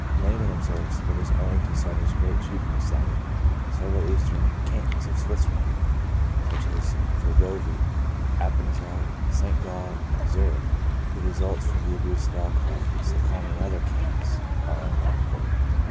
Lehman ob serves :" It is owing to cider's great cheapness that in several eastern cantons of Switzerland, such as Thurgovie, Appenzell, St. Gall, and Zurich, the results from the abuse of alcohol, so common in other cantons, are unknown.